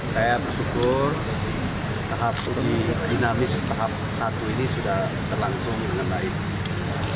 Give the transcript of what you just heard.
saya bersyukur tahap uji dinamis tahap satu ini sudah berlangsung dengan baik